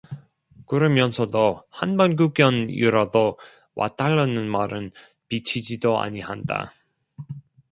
그러면서도 한번 구경이라도 와달라는 말은 비치지도 아니한다.